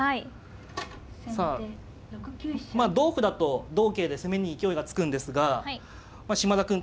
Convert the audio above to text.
さあまあ同歩だと同桂で攻めに勢いがつくんですが嶋田くん